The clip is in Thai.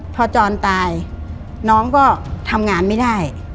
พอจรตายน้องก็ทำงานไม่ได้